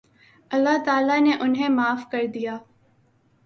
اللہ تعالیٰ نے انھیں معاف کر دیا